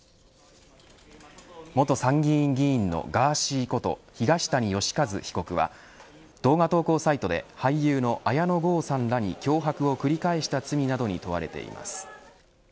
元参議院議員の、ガーシーこと東谷義和被告は動画投稿サイトで俳優の綾野剛さんらに脅迫を繰り返した罪などに問われています。